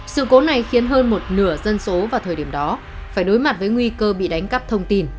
sự cố này khiến hơn một nửa dân số vào thời điểm đó phải đối mặt với nguy cơ bị đánh cắp thông tin